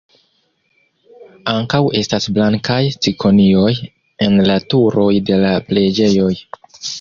Ankaŭ estas blankaj cikonioj en la turoj de la preĝejoj.